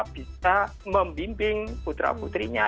bisa membimbing putra putrinya